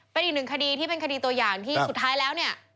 เป็นอีกหนึ่งคดีที่เป็นคดีตัวอย่างที่สุดท้ายแล้วเนี่ย